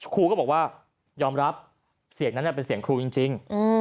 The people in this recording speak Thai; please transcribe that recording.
ครูก็บอกว่ายอมรับเสียงนั้นเป็นเสียงครูจริง